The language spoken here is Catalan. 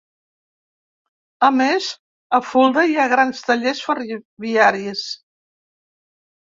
A més, a Fulda hi ha grans tallers ferroviaris.